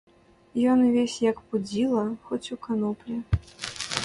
Ён увесь як пудзіла, хоць у каноплі.